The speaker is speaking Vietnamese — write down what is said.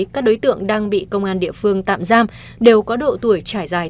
các đối tượng đang bị công an địa phương tạm giam đều có độ tuổi trải dài